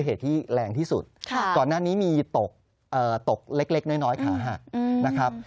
เหตุที่แรงที่สุดก่อนหน้านี้มีตกเล็กน้อยขาหักนะครับ